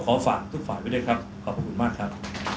ฝากทุกฝ่ายไปด้วยครับขอบพระคุณมากครับ